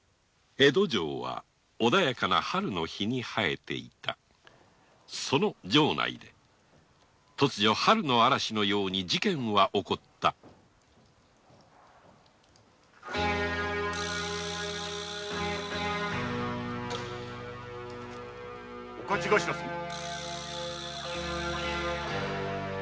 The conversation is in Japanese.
江戸城は穏やかな春の日に映えていたその城内で突如春の嵐のように事件は起こったお徒頭様市原か何か用か？